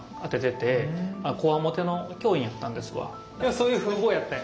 そういう風貌やったんや。